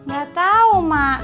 gak tau mak